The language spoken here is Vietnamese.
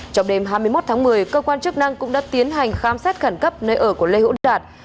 trong đêm hai mươi một tháng một mươi cơ quan chức năng cũng đã tiến hành khám xét khẩn cấp nơi ở của lê hữu đạt